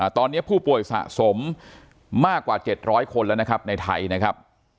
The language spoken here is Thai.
ตอนนี้ผู้ป่วยสะสมมากกว่า๗๐๐คนแล้วนะครับในไทยนะครับ